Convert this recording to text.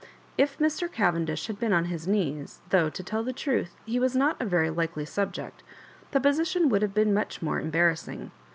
If Mr. Cavendish had been on his knees — though, to tell the truth, he was not a very likely subject— the position would have been much more embarrassing.